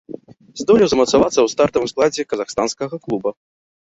Здолеў замацавацца ў стартавым складзе казахстанскага клуба.